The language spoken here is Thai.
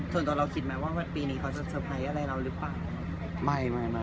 ส่วนตัวเราคิดไหมว่าปีนี้เขาจะเตอร์ไพรส์อะไรเราหรือเปล่า